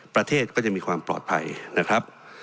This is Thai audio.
ประเทศก็จะมีความปลอดภัยนะครับ